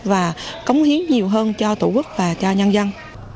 và cống hiến nhiều hơn cho tổ quốc và cho nhân dân